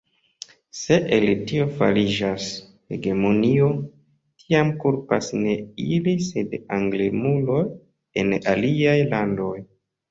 Se el tio fariĝas hegemonio, tiam kulpas ne ili, sed anglemuloj en aliaj landoj.